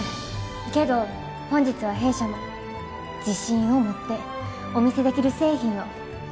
けど本日は弊社も自信を持ってお見せできる製品をお持ちしました。